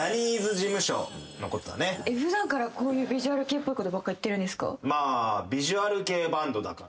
普段からこういうヴィジュアル系っぽいことばっか言ってるんですか？